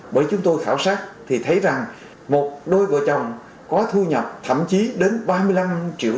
bởi chúng tôi khảo sát thì thấy rằng một đôi vợ chồng có thu nhập thậm chí đến ba mươi năm triệu